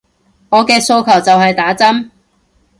我嘅訴求就係打針